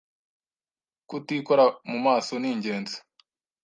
kutikora mu maso ningenzi